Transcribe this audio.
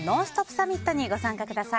サミットに参加してください。